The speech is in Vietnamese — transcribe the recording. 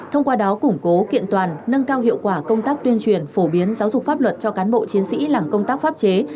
thông qua đó củng cố kiện toàn nâng cao hiệu quả công tác tuyên truyền phổ biến giáo dục pháp luật cho cán bộ chiến sĩ làm công tác pháp chế